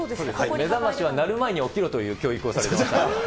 目覚ましは鳴る前に起きろという教育をされてました。